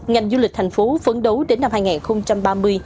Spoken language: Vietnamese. ngành du lịch thành phố phấn đấu đến năm hai nghìn ba mươi